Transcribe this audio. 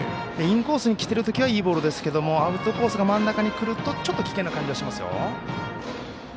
インコースに来てるときはいいボールですけどアウトコースが真ん中に来るとちょっと危険な感じがしますよ。